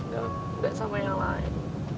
gak sama yang lain